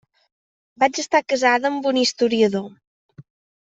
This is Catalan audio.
Vaig estar casada amb un historiador.